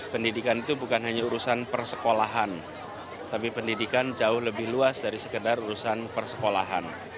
pendidikan itu bukan hanya urusan persekolahan tapi pendidikan jauh lebih luas dari sekedar urusan persekolahan